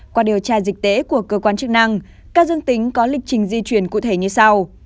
qua điều tra dịch tễ của cơ quan chức năng ca dương tính có lịch trình di chuyển cụ thể như sau